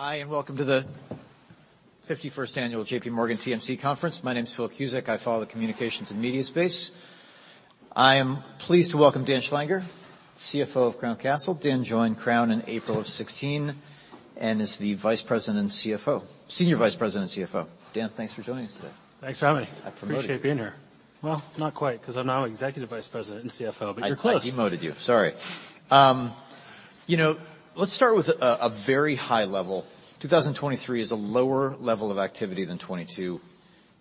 Hi, welcome to the 51st annual J.P. Morgan TMC conference. My name is Phil Cusick. I follow the communications and media space. I am pleased to welcome Dan Schlanger, CFO of Crown Castle. Dan joined Crown in April of 2016 and is the Vice President and CFO, Senior Vice President and CFO. Dan, thanks for joining us today. Thanks for having me. I promote you. Appreciate being here. Well, not quite, 'cause I'm now Executive Vice President and CFO. You're close. I demoted you, sorry. You know, let's start with a very high level. 2023 is a lower level of activity than 2022.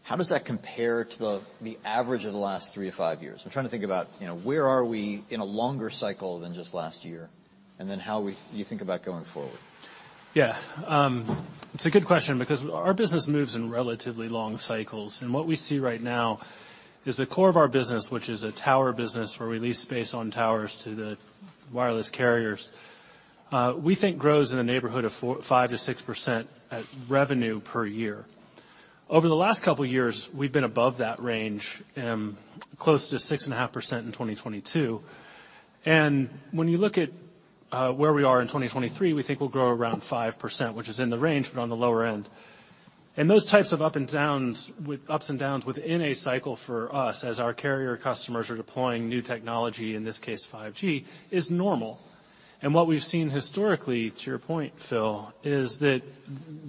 How does that compare to the average of the last three to five years? I'm trying to think about, you know, where are we in a longer cycle than just last year, and then how you think about going forward. It's a good question because our business moves in relatively long cycles, and what we see right now is the core of our business, which is a tower business where we lease space on towers to the wireless carriers, we think grows in the neighborhood of 5%-6% at revenue per year. Over the last couple of years, we've been above that range, close to 6.5% in 2022. When you look at, where we are in 2023, we think we'll grow around 5%, which is in the range, but on the lower end. Those types of up and downs within a cycle for us as our carrier customers are deploying new technology, in this case, 5G, is normal. What we've seen historically, to your point, Phil, is that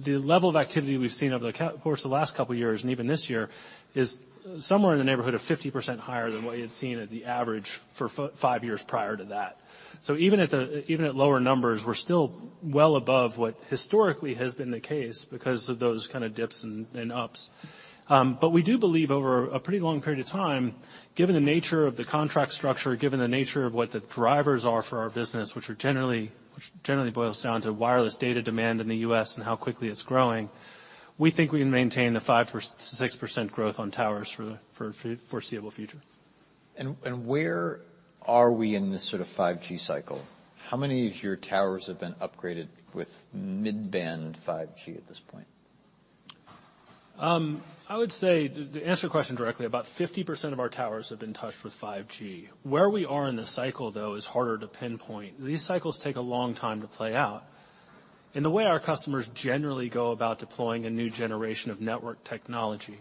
the level of activity we've seen over the course of the last couple of years and even this year is somewhere in the neighborhood of 50% higher than what you had seen at the average for five years prior to that. Even at lower numbers, we're still well above what historically has been the case because of those kinda dips and ups. But we do believe over a pretty long period of time, given the nature of the contract structure, given the nature of what the drivers are for our business, which generally boils down to wireless data demand in the U.S. and how quickly it's growing, we think we can maintain the 5%-6% growth on towers for the foreseeable future. Where are we in this sort of 5G cycle? How many of your towers have been upgraded with mid-band 5G at this point? I would say, to answer your question directly, about 50% of our towers have been touched with 5G. Where we are in the cycle, though, is harder to pinpoint. These cycles take a long time to play out. The way our customers generally go about deploying a new generation of network technology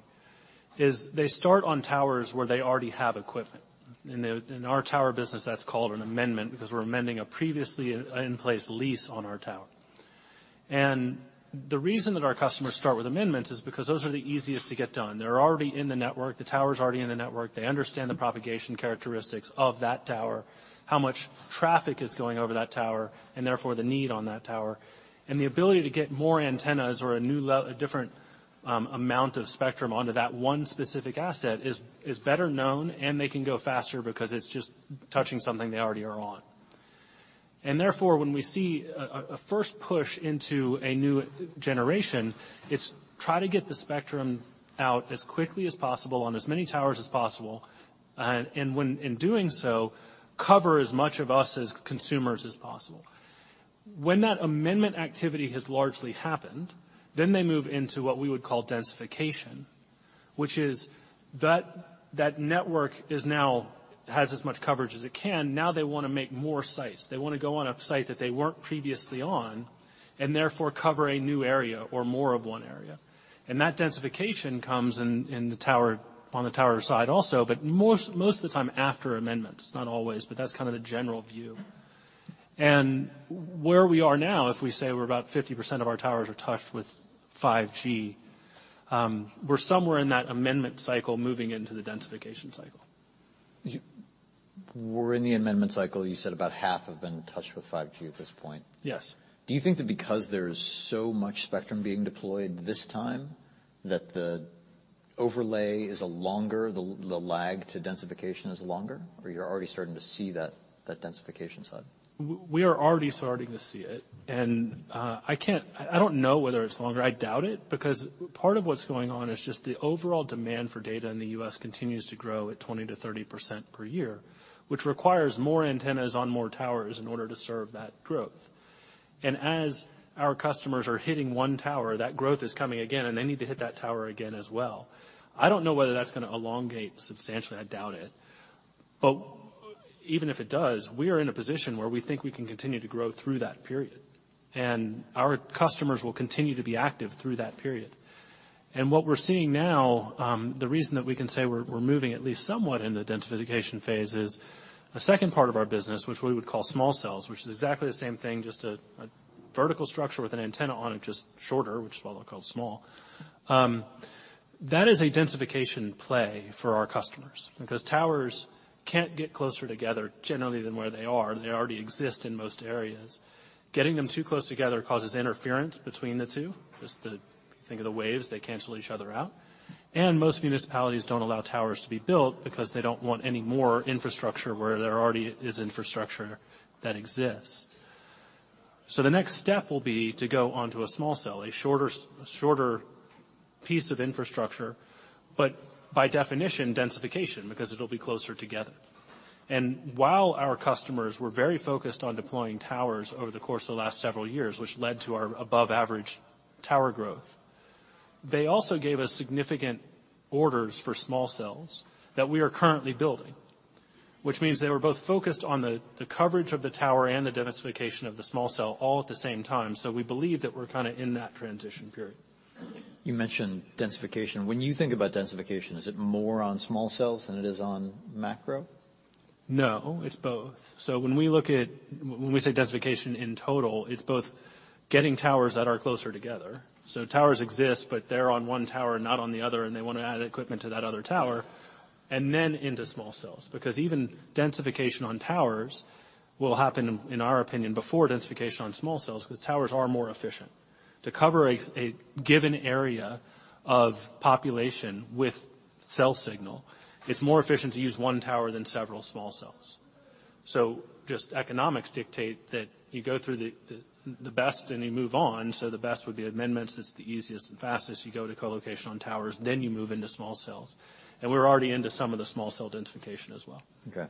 is they start on towers where they already have equipment. In the, in our tower business, that's called an amendment because we're amending a previously in place lease on our tower. The reason that our customers start with amendments is because those are the easiest to get done. They're already in the network. The tower's already in the network. They understand the propagation characteristics of that tower, how much traffic is going over that tower, and therefore the need on that tower. That densification comes in the tower on the tower side also, but most of the time after amendments, not always, but that's kind of the general view. Where we are now, if we say we're about 50% of our towers are touched with 5G, we're somewhere in that amendment cycle moving into the densification cycle. We're in the amendment cycle. You said about half have been touched with 5G at this point. Yes. Do you think that because there is so much spectrum being deployed this time that the overlay is a longer, the lag to densification is longer, or you're already starting to see that densification side? We are already starting to see it. I don't know whether it's longer. I doubt it because part of what's going on is just the overall demand for data in the U.S. continues to grow at 20%-30% per year, which requires more antennas on more towers in order to serve that growth. As our customers are hitting one tower, that growth is coming again, and they need to hit that tower again as well. I don't know whether that's gonna elongate substantially. I doubt it. Even if it does, we are in a position where we think we can continue to grow through that period, and our customers will continue to be active through that period. What we're seeing now, the reason that we can say we're moving at least somewhat in the densification phase is a second part of our business, which we would call small cells, which is exactly the same thing, just a vertical structure with an antenna on it, just shorter, which is why they're called small. That is a densification play for our customers because towers can't get closer together generally than where they are. They already exist in most areas. Getting them too close together causes interference between the two, just the thing of the waves, they cancel each other out. Most municipalities don't allow towers to be built because they don't want any more infrastructure where there already is infrastructure that exists. The next step will be to go onto a small cell, a shorter piece of infrastructure, but by definition, densification, because it'll be closer together. While our customers were very focused on deploying towers over the course of the last several years, which led to our above average tower growth, they also gave us significant orders for small cells that we are currently building. They were both focused on the coverage of the tower and the densification of the small cell all at the same time. We believe that we're kinda in that transition period. You mentioned densification. When you think about densification, is it more on small cells than it is on macro? It's both. When we say densification in total, it's both getting towers that are closer together. Towers exist, but they're on one tower and not on the other, and they wanna add equipment to that other tower, and then into small cells. Even densification on towers will happen, in our opinion, before densification on small cells, because towers are more efficient. To cover a given area of population with cell signal, it's more efficient to use one tower than several small cells. Just economics dictate that you go through the best and you move on. The best would be amendments. It's the easiest and fastest. You go to co-location on towers, then you move into small cells. We're already into some of the small cell densification as well. Okay.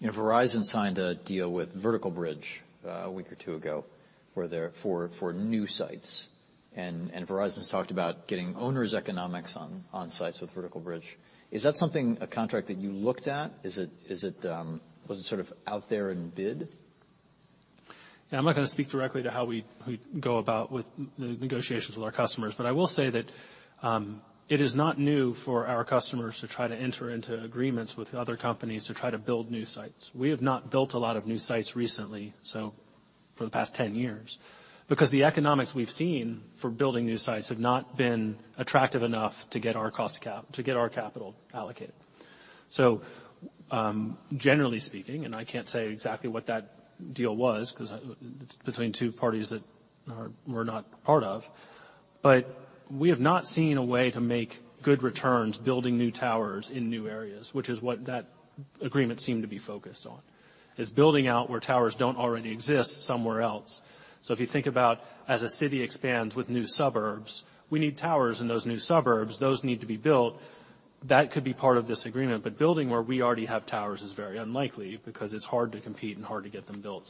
You know, Verizon signed a deal with Vertical Bridge a week or two ago where they're for new sites. Verizon's talked about getting owners economics on sites with Vertical Bridge. Is that something, a contract that you looked at? Is it, is it, was it sort of out there in bid? I'm not gonna speak directly to how we go about with negotiations with our customers, but I will say that it is not new for our customers to try to enter into agreements with other companies to try to build new sites. We have not built a lot of new sites recently, so for the past 10 years, because the economics we've seen for building new sites have not been attractive enough to get our capital allocated. Generally speaking, and I can't say exactly what that deal was, 'cause it's between two parties that are we're not part of, but we have not seen a way to make good returns building new towers in new areas, which is what that agreement seemed to be focused on, is building out where towers don't already exist somewhere else. If you think about as a city expands with new suburbs, we need towers in those new suburbs. Those need to be built. That could be part of this agreement, but building where we already have towers is very unlikely because it's hard to compete and hard to get them built.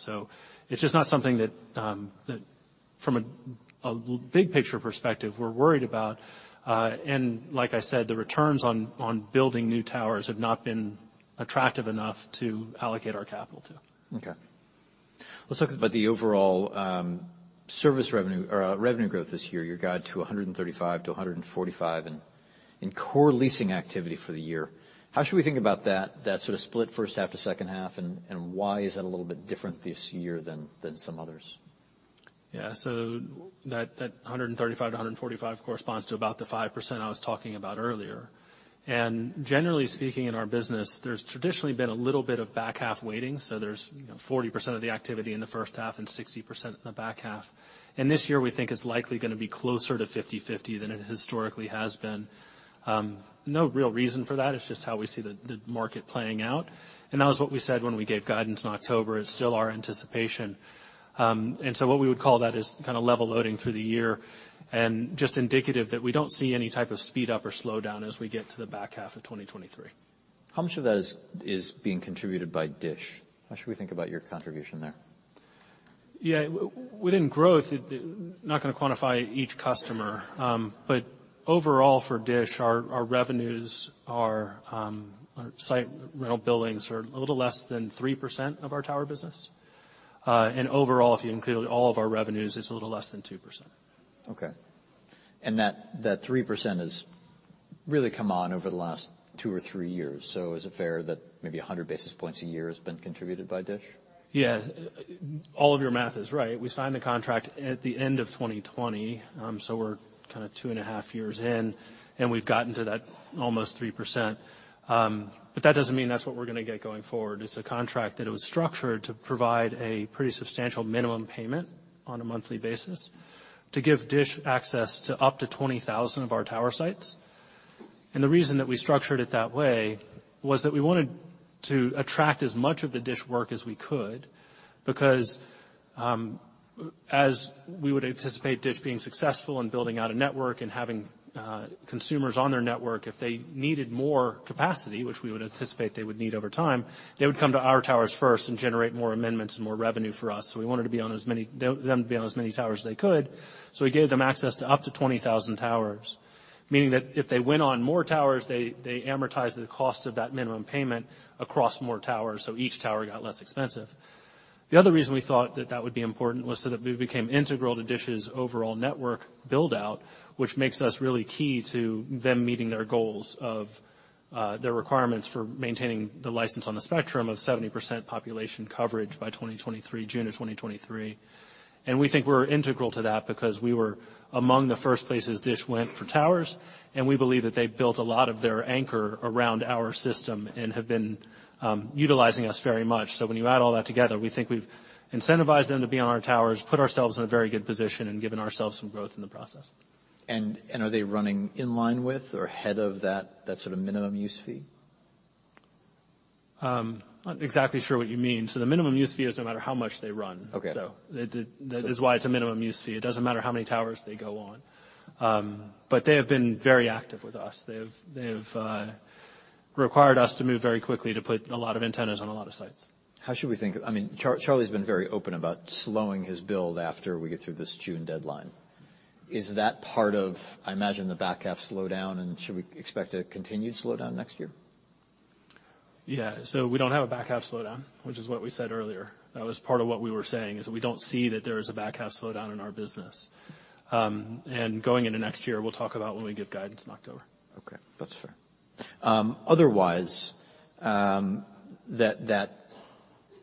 It's just not something that from a big picture perspective we're worried about. Like I said, the returns on building new towers have not been attractive enough to allocate our capital to. Let's talk about the overall service revenue or revenue growth this year, your guide to $135 million-$145 million, and in core leasing activity for the year. How should we think about that sort of split first half to second half, why is that a little bit different this year than some others? That $135 million-$145 million corresponds to about the 5% I was talking about earlier. Generally speaking, in our business, there's traditionally been a little bit of back half waiting. There's, you know, 40% of the activity in the first half and 60% in the back half. This year, we think it's likely gonna be closer to 50/50 than it historically has been. No real reason for that. It's just how we see the market playing out, and that was what we said when we gave guidance in October. It's still our anticipation. What we would call that is kinda level loading through the year and just indicative that we don't see any type of speed up or slow down as we get to the back half of 2023. How much of that is being contributed by DISH? How should we think about your contribution there? Yeah. Within growth, Not gonna quantify each customer. Overall for DISH Network, our revenues are, our site rental billings are a little less than 3% of our tower business. Overall, if you include all of our revenues, it's a little less than 2%. Okay. That 3% has really come on over the last two or three years. Is it fair that maybe 100 basis points a year has been contributed by DISH? Yeah. All of your math is right. We signed the contract at the end of 2020, so we're kinda two and a half years in, and we've gotten to that almost 3%. That doesn't mean that's what we're gonna get going forward. It's a contract that it was structured to provide a pretty substantial minimum payment on a monthly basis to give DISH access to up to 20,000 of our tower sites. The reason that we structured it that way was that we wanted to attract as much of the DISH work as we could because, as we would anticipate DISH being successful in building out a network and having consumers on their network, if they needed more capacity, which we would anticipate they would need over time, they would come to our towers first and generate more amendments and more revenue for us. We wanted them to be on as many towers as they could, so we gave them access to up to 20,000 towers, meaning that if they went on more towers, they amortize the cost of that minimum payment across more towers, so each tower got less expensive. The other reason we thought that that would be important was so that we became integral to DISH's overall network build-out, which makes us really key to them meeting their goals of their requirements for maintaining the license on the spectrum of 70% population coverage by 2023, June of 2023. We think we're integral to that because we were among the first places DISH went for towers, and we believe that they built a lot of their anchor around our system and have been utilizing us very much. When you add all that together, we think we've incentivized them to be on our towers, put ourselves in a very good position, and given ourselves some growth in the process. Are they running in line with or ahead of that sort of minimum use fee? I'm not exactly sure what you mean? The minimum use fee is no matter how much they run. Okay. That is why it's a minimum use fee. It doesn't matter how many towers they go on. They have been very active with us. They've required us to move very quickly to put a lot of antennas on a lot of sites. I mean, Charlie's been very open about slowing his build after we get through this June deadline, is that part of, I imagine, the back half slowdown, and should we expect a continued slowdown next year? Yeah. We don't have a back half slowdown, which is what we said earlier. That was part of what we were saying, is we don't see that there is a back half slowdown in our business. Going into next year, we'll talk about when we give guidance in October. Okay. That's fair. Otherwise, that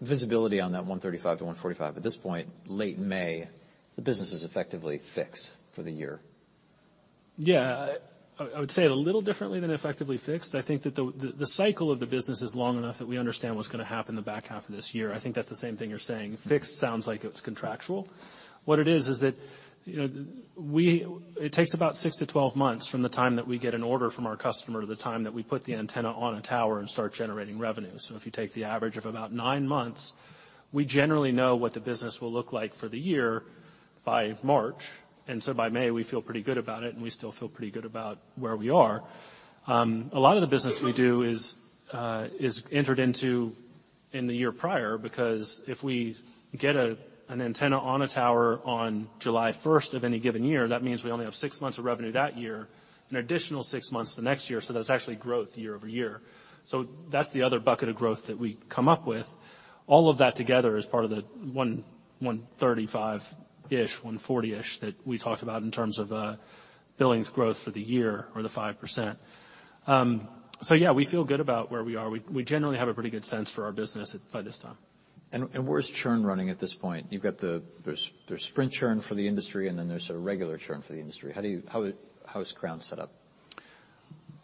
visibility on that $135 million-$145 million at this point, late May, the business is effectively fixed for the year. Yeah. I would say it a little differently than effectively fixed. I think that the cycle of the business is long enough that we understand what's gonna happen in the back half of this year. I think that's the same thing you're saying. Fixed sounds like it's contractual. What it is that, you know, it takes about six to 12 months from the time that we get an order from our customer to the time that we put the antenna on a tower and start generating revenue. If you take the average of about nine months, we generally know what the business will look like for the year by March, by May, we feel pretty good about it, and we still feel pretty good about where we are. A lot of the business we do is entered into in the year prior, because if we get an antenna on a tower on July 1st of any given year, that means we only have six months of revenue that year, an additional six months the next year, so that's actually growth year-over-year. That's the other bucket of growth that we come up with. All of that together is part of the 135-ish, 140-ish that we talked about in terms of billings growth for the year or the 5%. Yeah, we feel good about where we are. We generally have a pretty good sense for our business at, by this time. Where's churn running at this point? You've got there's Sprint churn for the industry, there's a regular churn for the industry. How is Crown set up?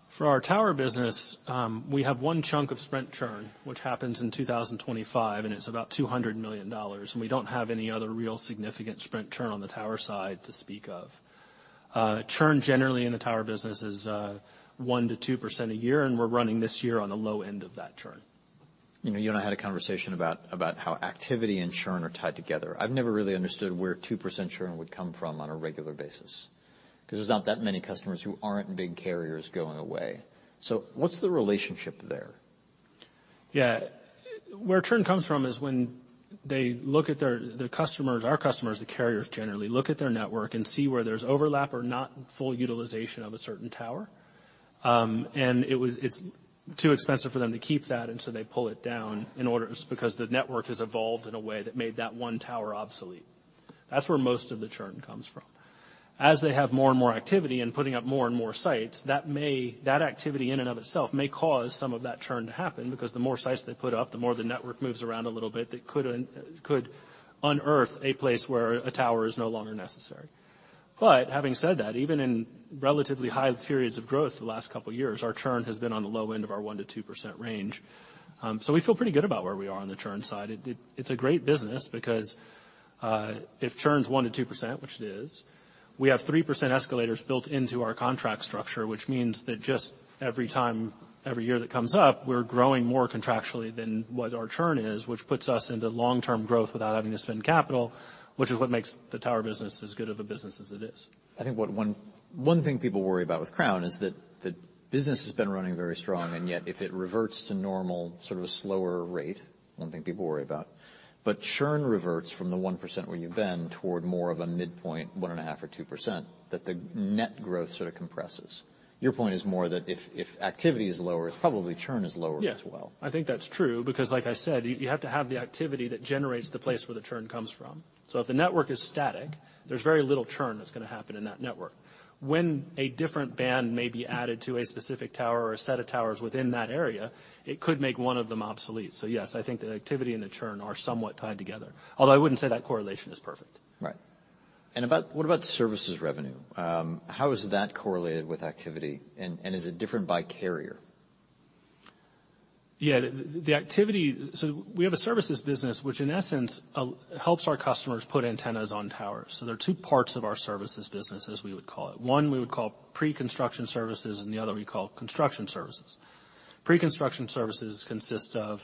For our tower business, we have one chunk of Sprint churn, which happens in 2025, and it's about $200 million, and we don't have any other real significant Sprint churn on the tower side to speak of. Churn generally in the tower business is 1%-2% a year, and we're running this year on the low end of that churn. You know, you and I had a conversation about how activity and churn are tied together. I've never really understood where 2% churn would come from on a regular basis, 'cause there's not that many customers who aren't big carriers going away. What's the relationship there? Yeah. Where churn comes from is when they look at their, the customers, our customers, the carriers generally, look at their network and see where there's overlap or not in full utilization of a certain tower. It's too expensive for them to keep that, they pull it down because the network has evolved in a way that made that one tower obsolete. That's where most of the churn comes from. As they have more and more activity in putting up more and more sites, That activity in and of itself may cause some of that churn to happen, because the more sites they put up, the more the network moves around a little bit, could unearth a place where a tower is no longer necessary. Having said that, even in relatively high periods of growth the last couple years, our churn has been on the low end of our 1%-2% range. We feel pretty good about where we are on the churn side. It's a great business because if churn's 1%-2%, which it is, we have 3% escalators built into our contract structure, which means that just every time, every year that comes up, we're growing more contractually than what our churn is, which puts us into long-term growth without having to spend capital, which is what makes the tower business as good of a business as it is. I think what one thing people worry about with Crown is that the business has been running very strong, and yet if it reverts to normal, sort of a slower rate, one thing people worry about, but churn reverts from the 1% where you've been toward more of a midpoint, 1.5% or 2%, that the net growth sort of compresses. Your point is more that if activity is lower, it's probably churn is lower as well. Yeah. I think that's true because like I said, you have to have the activity that generates the place where the churn comes from. If the network is static, there's very little churn that's gonna happen in that network. When a different band may be added to a specific tower or a set of towers within that area, it could make one of them obsolete. Yes, I think the activity and the churn are somewhat tied together. Although I wouldn't say that correlation is perfect. Right. What about services revenue? How is that correlated with activity, and is it different by carrier? Yeah. The activity. We have a services business, which in essence helps our customers put antennas on towers. There are two parts of our services business, as we would call it. One, we would call pre-construction services, and the other we call construction services. Pre-construction services consist of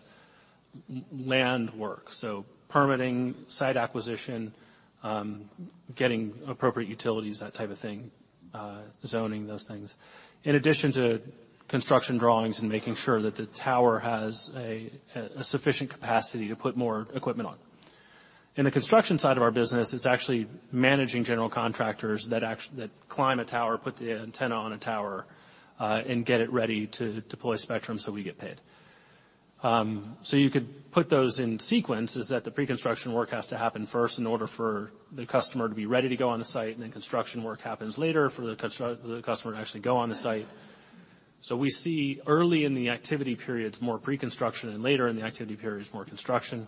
land work, so permitting, site acquisition, getting appropriate utilities, that type of thing, zoning, those things. In addition to construction drawings and making sure that the tower has a sufficient capacity to put more equipment on. In the construction side of our business, it's actually managing general contractors that climb a tower, put the antenna on a tower, and get it ready to deploy spectrum so we get paid. You could put those in sequence, is that the pre-construction work has to happen first in order for the customer to be ready to go on the site, and then construction work happens later for the customer to actually go on the site. We see early in the activity periods, more pre-construction, and later in the activity periods, more construction.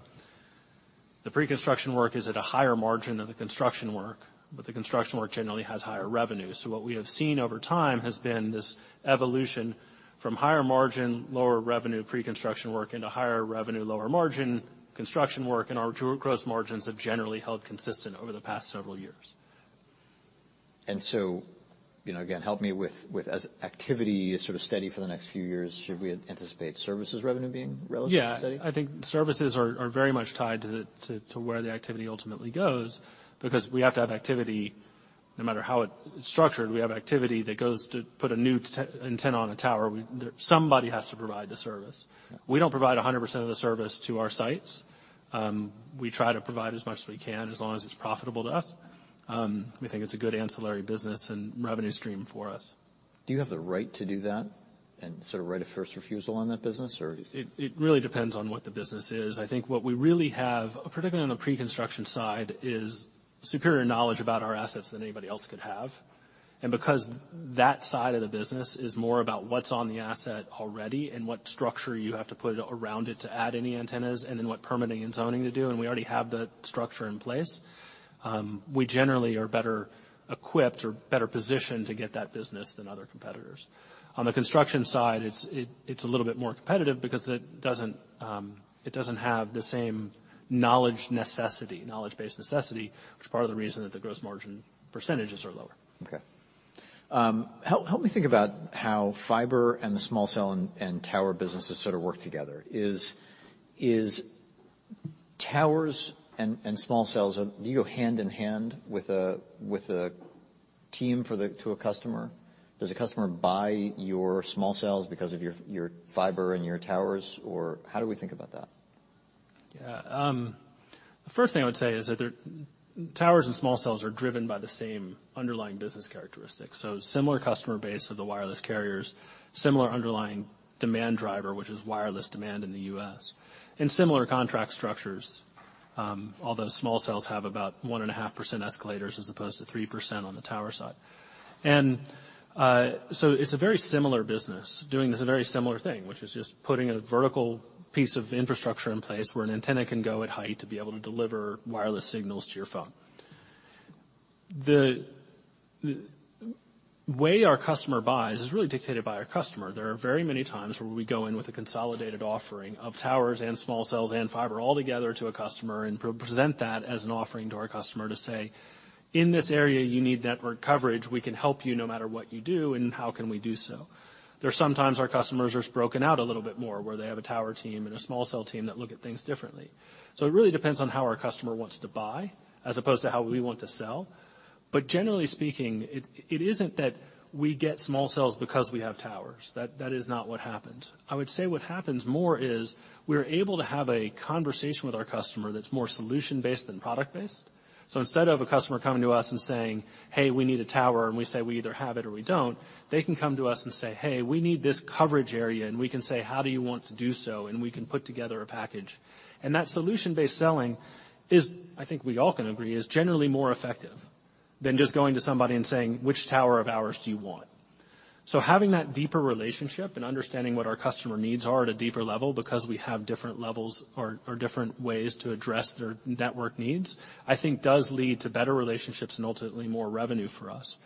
The pre-construction work is at a higher margin than the construction work, but the construction work generally has higher revenue. What we have seen over time has been this evolution from higher margin, lower revenue pre-construction work into higher revenue, lower margin construction work, and our true gross margins have generally held consistent over the past several years. You know, again, help me with as activity is sort of steady for the next few years, should we anticipate services revenue being relatively steady? Yeah. I think services are very much tied to where the activity ultimately goes because we have to have activity, no matter how it's structured, we have activity that goes to put a new antenna on a tower. Somebody has to provide the service. We don't provide 100% of the service to our sites. We try to provide as much as we can as long as it's profitable to us. We think it's a good ancillary business and revenue stream for us. Do you have the right to do that and sort of right of first refusal on that business or? It really depends on what the business is. I think what we really have, particularly on the pre-construction side, is superior knowledge about our assets than anybody else could have. Because that side of the business is more about what's on the asset already and what structure you have to put around it to add any antennas and then what permitting and zoning to do, and we already have the structure in place, we generally are better equipped or better positioned to get that business than other competitors. On the construction side, it's a little bit more competitive because it doesn't have the same knowledge necessity, knowledge-based necessity, which is part of the reason that the gross margin percentages are lower. Okay. help me think about how fiber and the small cell and tower businesses sort of work together. Is towers and small cells, do you go hand in hand with a team to a customer? Does the customer buy your small cells because of your fiber and your towers, or how do we think about that? Yeah. The first thing I would say is that their towers and small cells are driven by the same underlying business characteristics. Similar customer base of the wireless carriers, similar underlying demand driver, which is wireless demand in the U.S., similar contract structures. Although small cells have about 1.5% escalators as opposed to 3% on the tower side. It's a very similar business, doing this a very similar thing, which is just putting a vertical piece of infrastructure in place where an antenna can go at height to be able to deliver wireless signals to your phone. The way our customer buys is really dictated by our customer. There are very many times where we go in with a consolidated offering of towers and small cells and fiber all together to a customer and pre-present that as an offering to our customer to say, "In this area, you need network coverage. We can help you no matter what you do, and how can we do so?" There's sometimes our customers are broken out a little bit more, where they have a tower team and a small cell team that look at things differently. It really depends on how our customer wants to buy as opposed to how we want to sell. Generally speaking, it isn't that we get small cells because we have towers. That is not what happens. I would say what happens more is we're able to have a conversation with our customer that's more solution-based than product-based. Instead of a customer coming to us and saying, "Hey, we need a tower," and we say, "We either have it or we don't," they can come to us and say, "Hey, we need this coverage area." We can say, "How do you want to do so?" We can put together a package. That solution-based selling is, I think we all can agree, is generally more effective than just going to somebody and saying, "Which tower of ours do you want?" Having that deeper relationship and understanding what our customer needs are at a deeper level because we have different levels or different ways to address their network needs, I think does lead to better relationships and ultimately more revenue for us.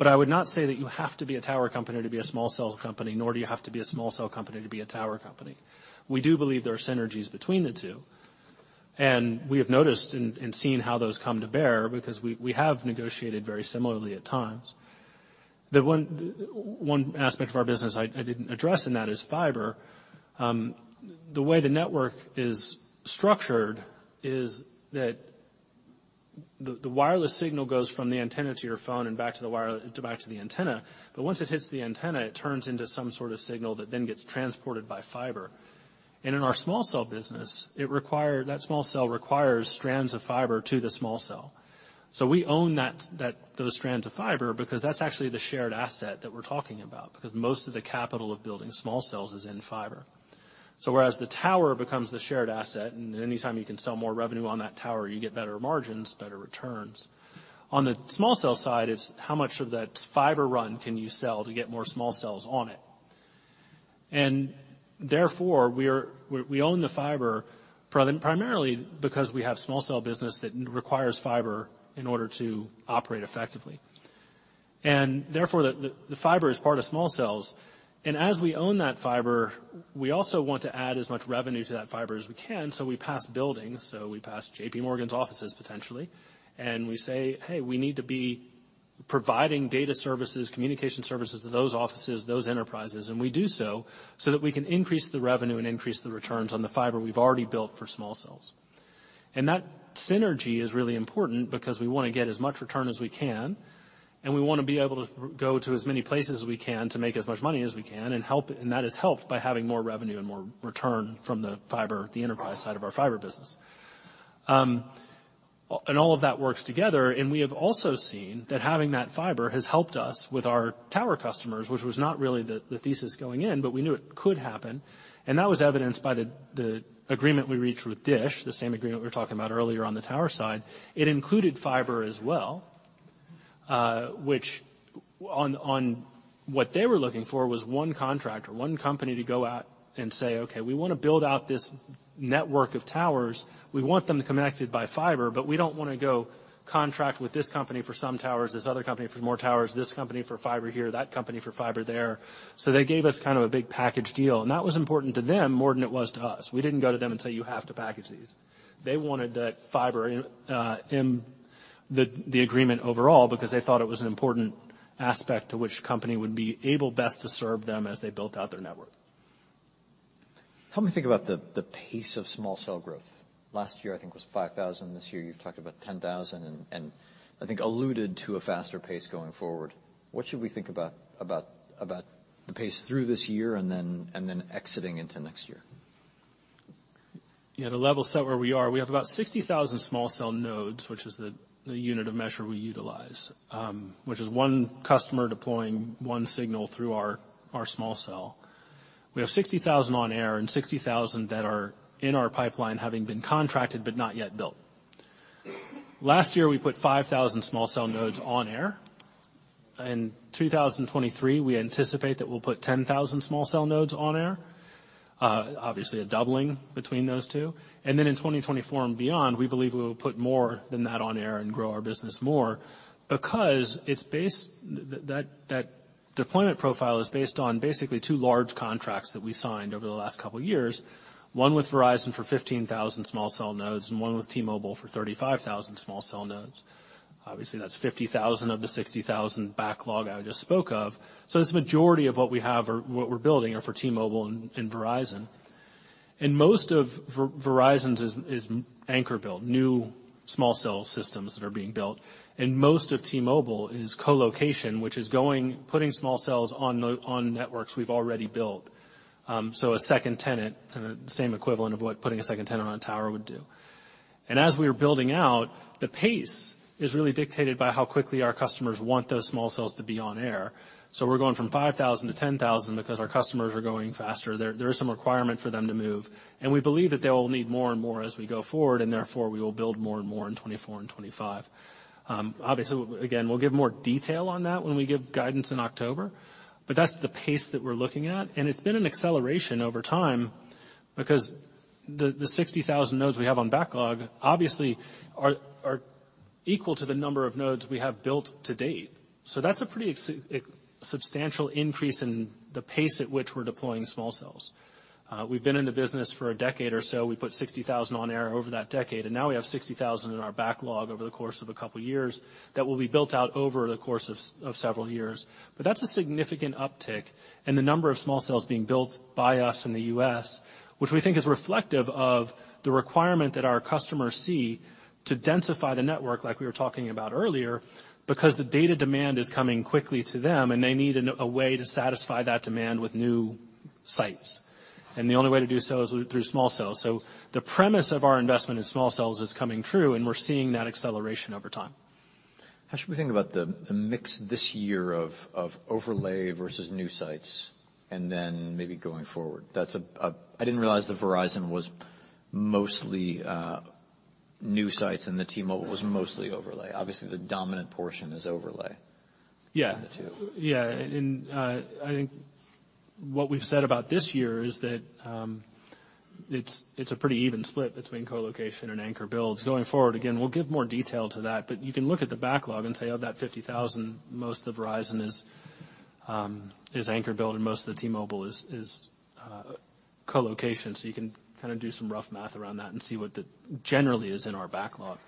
I would not say that you have to be a tower company to be a small cell company, nor do you have to be a small cell company to be a tower company. We do believe there are synergies between the two, and we have noticed and seen how those come to bear because we have negotiated very similarly at times. The one aspect of our business I didn't address in that is fiber. The way the network is structured is that the wireless signal goes from the antenna to your phone and back to the antenna. Once it hits the antenna, it turns into some sort of signal that then gets transported by fiber. In our small cell business, that small cell requires strands of fiber to the small cell. We own that, those strands of fiber because that's actually the shared asset that we're talking about, because most of the capital of building small cells is in fiber. Whereas the tower becomes the shared asset, and anytime you can sell more revenue on that tower, you get better margins, better returns. On the small cell side, it's how much of that fiber run can you sell to get more small cells on it. Therefore, we own the fiber primarily because we have small cell business that requires fiber in order to operate effectively. Therefore, the fiber is part of small cells. As we own that fiber, we also want to add as much revenue to that fiber as we can, so we pass buildings. We pass J.P. Morgan's offices, potentially, and we say, "Hey, we need to be providing data services, communication services to those offices, those enterprises." We do so that we can increase the revenue and increase the returns on the fiber we've already built for small cells. That synergy is really important because we wanna get as much return as we can, and we wanna be able to go to as many places as we can to make as much money as we can, and that is helped by having more revenue and more return from the fiber, the enterprise side of our fiber business. And all of that works together, and we have also seen that having that fiber has helped us with our tower customers, which was not really the thesis going in, but we knew it could happen. That was evidenced by the agreement we reached with DISH, the same agreement we were talking about earlier on the tower side. It included fiber as well, which on what they were looking for was one contractor, one company to go out and say, "Okay, we wanna build out this network of towers. We want them connected by fiber, but we don't wanna go contract with this company for some towers, this other company for more towers, this company for fiber here, that company for fiber there." They gave us kind of a big package deal, and that was important to them more than it was to us. We didn't go to them and say, "You have to package these." They wanted that fiber in the agreement overall because they thought it was an important aspect to which company would be able best to serve them as they built out their network. Help me think about the pace of small cell growth. Last year, I think, was 5,000. This year, you've talked about 10,000 and I think alluded to a faster pace going forward. What should we think about the pace through this year and then exiting into next year? The level set where we are, we have about 60,000 small cell nodes, which is the unit of measure we utilize, which is one customer deploying one signal through our small cell. We have 60,000 on air and 60,000 that are in our pipeline having been contracted, but not yet built. Last year, we put 5,000 small cell nodes on air. In 2023, we anticipate that we'll put 10,000 small cell nodes on air, obviously a doubling between those two. In 2024 and beyond, we believe we will put more than that on air and grow our business more because it's based... That deployment profile is based on basically two large contracts that we signed over the last couple years, one with Verizon for 15,000 small cell nodes and one with T-Mobile for 35,000 small cell nodes. That's 50,000 of the 60,000 backlog I just spoke of. This majority of what we have or what we're building are for T-Mobile and Verizon. Most of Verizon's is anchor build, new small cell systems that are being built, and most of T-Mobile is co-location, which is putting small cells on networks we've already built. A second tenant, the same equivalent of what putting a second tenant on a tower would do. As we are building out, the pace is really dictated by how quickly our customers want those small cells to be on air. We're going from 5,000 to 10,000 because our customers are going faster. There is some requirement for them to move, and we believe that they will need more and more as we go forward, and therefore we will build more and more in 2024 and 2025. Obviously, again, we'll give more detail on that when we give guidance in October, but that's the pace that we're looking at. It's been an acceleration over time because the 60,000 nodes we have on backlog obviously are equal to the number of nodes we have built to date. That's a pretty substantial increase in the pace at which we're deploying small cells. We've been in the business for a decade or so. We put 60,000 on air over that decade. Now we have 60,000 in our backlog over the course of a couple years that will be built out over the course of several years. That's a significant uptick in the number of small cells being built by us in the U.S., which we think is reflective of the requirement that our customers see to densify the network like we were talking about earlier, because the data demand is coming quickly to them, and they need a way to satisfy that demand with new sites. The only way to do so is through small cells. The premise of our investment in small cells is coming true, and we're seeing that acceleration over time. How should we think about the mix this year of overlay versus new sites and then maybe going forward? I didn't realize that Verizon was mostly new sites and T-Mobile was mostly overlay. Obviously, the dominant portion is overlay. Yeah. on the two. I think what we've said about this year is that, it's a pretty even split between co-location and anchor builds. Going forward, again, we'll give more detail to that, but you can look at the backlog and say, of that 50,000, most of the Verizon is anchor build and most of the T-Mobile is co-location. You can kinda do some rough math around that and see what the generally is in our backlog.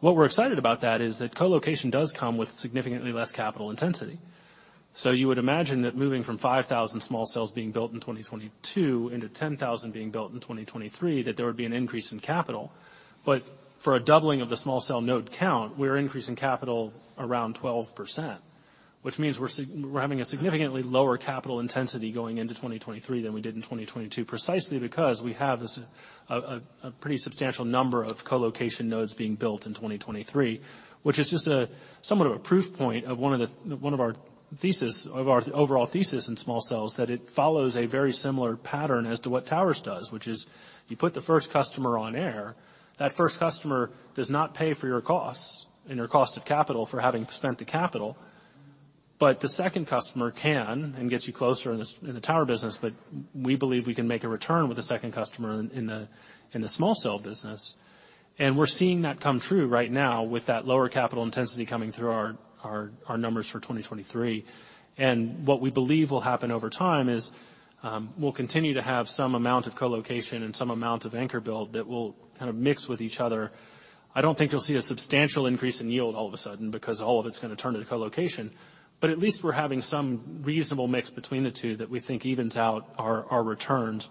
What we're excited about that is that co-location does come with significantly less capital intensity. You would imagine that moving from 5,000 small cells being built in 2022 into 10,000 being built in 2023, that there would be an increase in capital. For a doubling of the small cell node count, we're increasing capital around 12%, which means we're having a significantly lower capital intensity going into 2023 than we did in 2022, precisely because we have this pretty substantial number of co-location nodes being built in 2023. Which is just a somewhat of a proof point of one of our thesis, of our overall thesis in small cells, that it follows a very similar pattern as to what towers does, which is you put the first customer on air. That first customer does not pay for your costs and your cost of capital for having spent the capital. The second customer can and gets you closer in the tower business, but we believe we can make a return with the second customer in the small cell business. We're seeing that come true right now with that lower capital intensity coming through our numbers for 2023. What we believe will happen over time is, we'll continue to have some amount of co-location and some amount of anchor build that will kind of mix with each other. I don't think you'll see a substantial increase in yield all of a sudden because all of it's gonna turn to co-location. At least we're having some reasonable mix between the two that we think evens out our returns.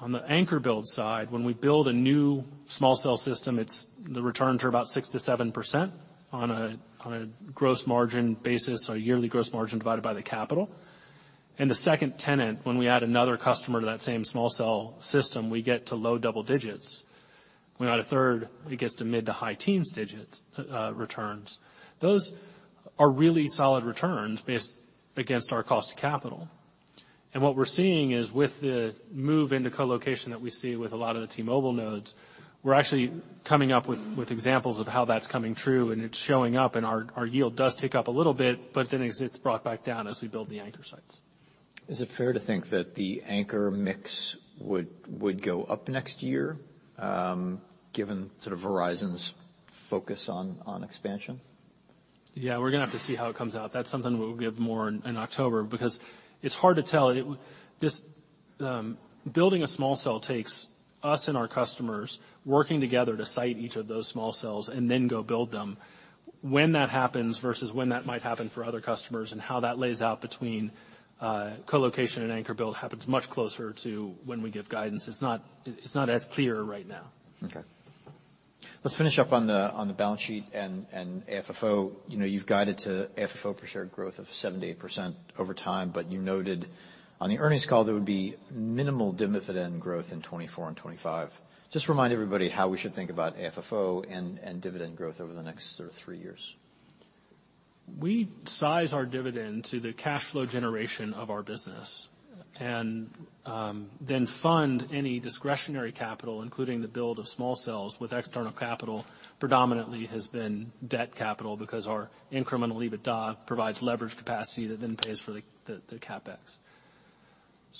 On the anchor build side, when we build a new small cell system, it's. The returns are about 6%-7% on a gross margin basis, so yearly gross margin divided by the capital. The second tenant, when we add another customer to that same small cell system, we get to low double digits. When we add a third, it gets to mid to high teens digits, returns. Those are really solid returns based against our cost of capital. What we're seeing is with the move into co-location that we see with a lot of the T-Mobile nodes, we're actually coming up with examples of how that's coming true, and it's showing up, and our yield does tick up a little bit, but then it's brought back down as we build the anchor sites. Is it fair to think that the anchor mix would go up next year, given sort of Verizon's focus on expansion? Yeah, we're gonna have to see how it comes out. That's something we'll give more in October because it's hard to tell. It this, building a small cell takes us and our customers working together to site each of those small cells and then go build them. When that happens versus when that might happen for other customers and how that lays out between co-location and anchor build happens much closer to when we give guidance. It's not, it's not as clear right now. Okay. Let's finish up on the balance sheet and AFFO. You know, you've guided to AFFO per share growth of 78% over time, but you noted on the earnings call there would be minimal dividend growth in 2024 and 2025. Just remind everybody how we should think about AFFO and dividend growth over the next sort of three years. We size our dividend to the cash flow generation of our business and then fund any discretionary capital, including the build of small cells with external capital predominantly has been debt capital because our incremental EBITDA provides leverage capacity that then pays for the CapEx.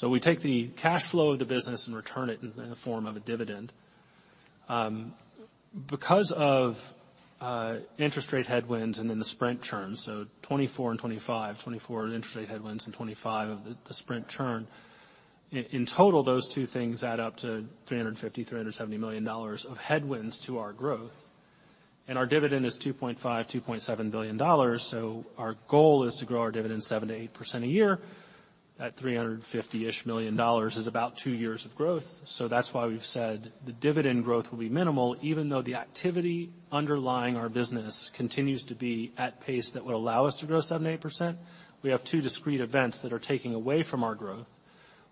We take the cash flow of the business and return it in the form of a dividend. Because of interest rate headwinds and then the Sprint churn, 2024 and 2025, 2024 interest rate headwinds and 2025 of the Sprint churn, in total, those two things add up to $350 million-$370 million of headwinds to our growth. Our dividend is $2.5 billion-$2.7 billion, our goal is to grow our dividend 7%-8% a year. That $350 million-ish is about two years of growth. That's why we've said the dividend growth will be minimal even though the activity underlying our business continues to be at pace that would allow us to grow 7%-8%. We have two discrete events that are taking away from our growth,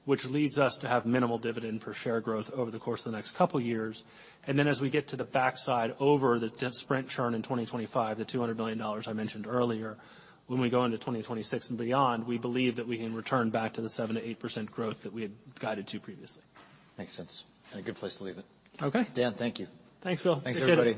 which leads us to have minimal dividend per share growth over the course of the next couple years. As we get to the backside over the Sprint churn in 2025, the $200 million I mentioned earlier, when we go into 2026 and beyond, we believe that we can return back to the 7%-8% growth that we had guided to previously. Makes sense. A good place to leave it. Okay. Dan, thank you. Thanks, Phil. Thanks, everybody.